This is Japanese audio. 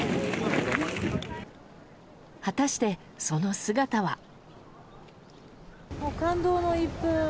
果たしてその姿は。